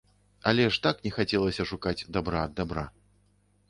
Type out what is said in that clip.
Але ж так не хацелася шукаць дабра ад дабра.